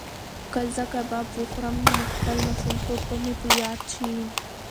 که زه کباب وخورم نو خپل ماشومتوب به مې په یاد شي.